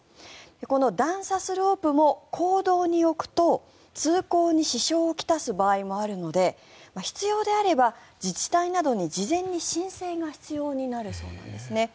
この段差スロープも公道に置くと通行に支障を来す場合もあるので必要であれば自治体などに事前に申請が必要になるそうです。